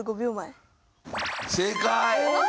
正解！